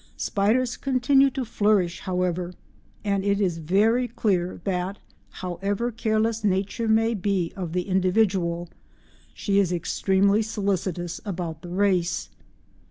Spiders continue to flourish, however, and it is very clear that however careless Nature may be of the individual she is extremely solicitous about the race.